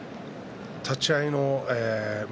立ち合いの翠